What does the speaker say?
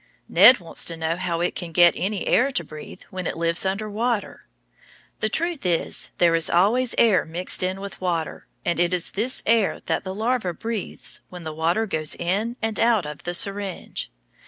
Ned wants to know how it can get any air to breathe when it lives under water. The truth is, there is always air mixed in with water, and it is this air the larva breathes when the water goes in and out of the syringe.